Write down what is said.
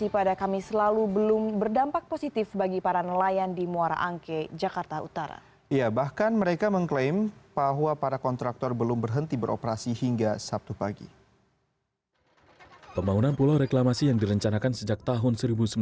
pembangunan pulau reklamasi yang direncanakan sejak tahun seribu sembilan ratus sembilan puluh